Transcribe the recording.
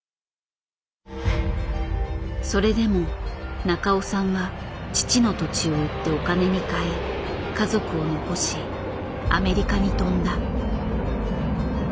それでも中尾さんは父の土地を売ってお金に換え家族を残しアメリカに飛んだ。